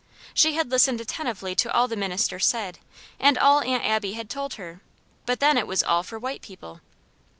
She had listened attentively to all the minister said, and all Aunt Abby had told her; but then it was all for white people.